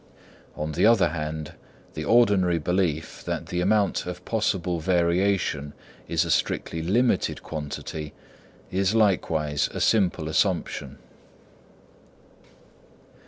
On the other hand, the ordinary belief that the amount of possible variation is a strictly limited quantity, is likewise a simple assumption.